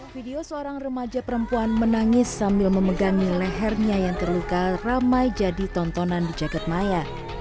video seorang remaja perempuan menangis sambil memegangi lehernya yang terluka ramai jadi tontonan di jagadmaya